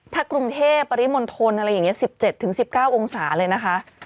ถ้ากรุงเทพปริมณฑลอะไรอย่างนี้๑๗๑๙องศาเลยนะคะ